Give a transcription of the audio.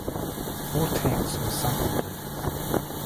Four tanks were sunk with her.